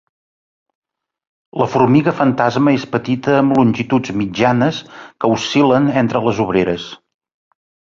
La formiga fantasma és petita amb longituds mitjanes que oscil·len entre les obreres.